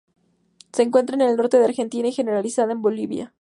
Se encuentra en el norte de Argentina y generalizada en Bolivia.